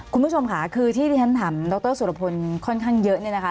คุณผู้ชมค่ะคือที่ฉันถามดรสุรพนธ์ค่อนข้างเยอะ